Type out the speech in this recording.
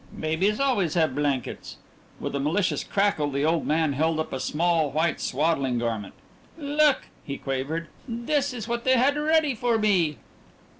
"Babies always have blankets." With a malicious crackle the old man held up a small white swaddling garment. "Look!" he quavered. "This is what they had ready for me."